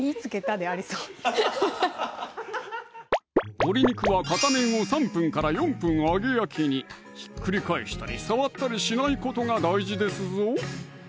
でありそう（スタジオ内鶏肉は片面を３４分揚げ焼きにひっくり返したり触ったりしないことが大事ですぞ